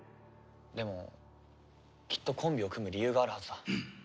でもきっとコンビを組む理由があるはずだ。